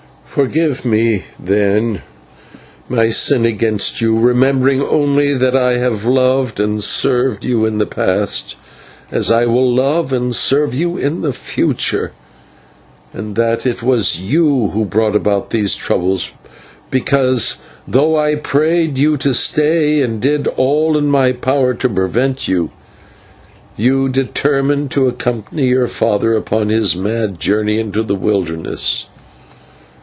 Forgive me, then, my sin against you, remembering only that I have loved and served you in the past as I will love and serve you in the future, and that it was you who brought about these troubles because, though I prayed you to stay and did all in my power to prevent you, you determined to accompany your father upon his mad journey into the wilderness.